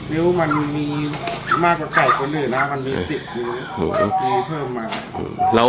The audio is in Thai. นิ้วมันมีมากกว่าไก่คนอื่นนะมันมี๑๐นิ้วบางทีเพิ่มมา